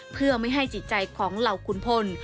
เพื่อไม่ให้จิตใจของเหล่าขุนพล